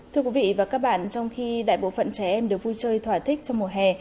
thưa quý vị và các bạn trong khi đại bộ phận trẻ em được vui chơi thỏa thích trong mùa hè